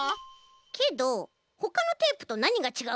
けどほかのテープとなにがちがうの？